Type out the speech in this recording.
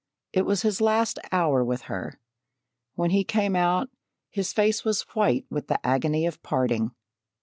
It was his last hour with her. When he came out, his face was white with the agony of parting.